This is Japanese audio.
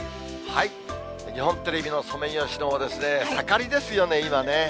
日本テレビのソメイヨシノも、盛りですよね、今ね。